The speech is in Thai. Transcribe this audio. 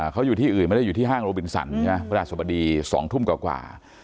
เขาอยู่ที่อื่นไม่ได้อยู่ที่ห้างโรบินสันใช่ไหมพระราชสบดี๒ทุ่มกว่า